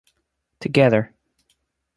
Together.